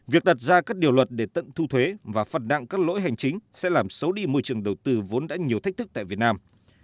việc đặt ra các điều luật để tận thu thuế và phạt nặng các lỗi hành chính sẽ làm xấu đi môi trường đầu tư vốn đã nhiều thách thức tại việt nam